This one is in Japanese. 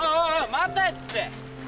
待てって。